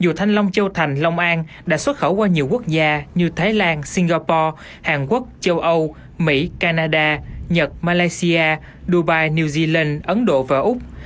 dù thanh long châu thành long an đã xuất khẩu qua nhiều quốc gia như thái lan singapore hàn quốc châu âu mỹ canada nhật malaysia dubai new zealand ấn độ và úc